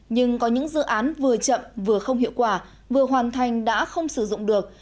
nhưng có những dự án vừa chậm vừa không hiệu quả vừa hoàn thành đã không sử dụng được